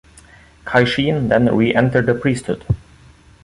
Kaishin then reentered the priesthood.